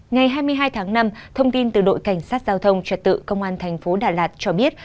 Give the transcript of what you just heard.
ngày hai mươi hai tháng năm thông tin từ đội cảnh sát giao thông trật tự công an thành phố đà lạt cho biết